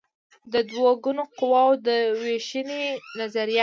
د دوه ګونو قواوو د وېشنې نظریه